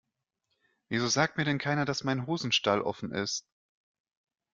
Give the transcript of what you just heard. Wieso sagt mir denn keiner, dass mein Hosenstall offen ist?